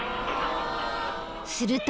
［すると］